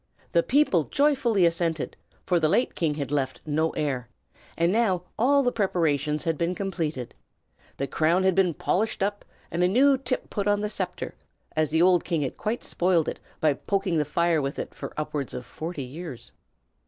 The people joyfully assented, for the late king had left no heir; and now all the preparations had been completed. The crown had been polished up, and a new tip put on the sceptre, as the old king had quite spoiled it by poking the fire with it for upwards of forty years.